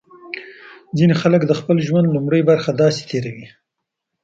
ځینې خلک د خپل ژوند لومړۍ برخه داسې تېروي.